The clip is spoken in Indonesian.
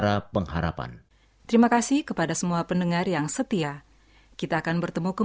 ramadhan memberiku gembira tiap saat ku dijaga